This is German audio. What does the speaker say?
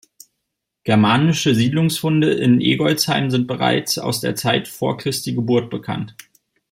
Germanische Siedlungsfunde in Eggolsheim sind bereits aus der Zeit vor Christi Geburt bekannt.